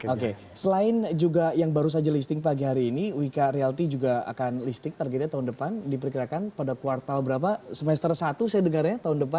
oke selain juga yang baru saja listing pagi hari ini wika realty juga akan listing targetnya tahun depan diperkirakan pada kuartal berapa semester satu saya dengarnya tahun depan